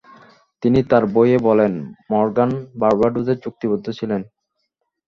তিনি তার বইয়ে বলেন, মর্গান বার্বাডোজে চুক্তিবদ্ধ ছিলেন।